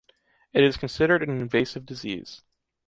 It is considered an invasive disease.